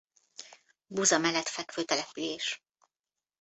Buza mellett fekvő település.